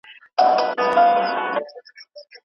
د موضوع منطقي ترتیب د ليکني ښکلا زیاتوي.